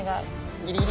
ギリギリ。